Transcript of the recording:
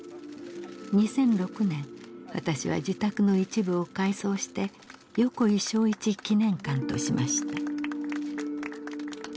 ２００６年私は自宅の一部を改装して横井庄一記念館としました